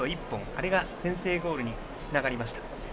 あれが先制ゴールにつながりました。